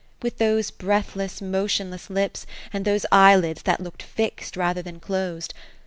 — with those breathless, motionless lips, and those eyelids, that looked fixed, rather than closed